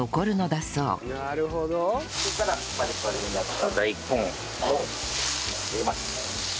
そうしたらパリパリになった大根を入れます。